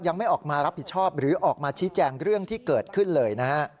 ยังไม่ออกมารับผิดชอบหรือออกมาชี้แจงเรื่องที่เกิดขึ้นเลยนะฮะ